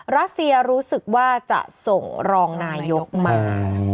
รัสเซียรู้สึกว่าจะส่งรองนายกมา